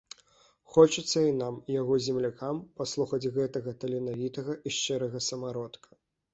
Хочацца і нам, яго землякам, паслухаць гэтага таленавітага і шчырага самародка.